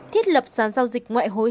thiết lập sản giao dịch ngoại hối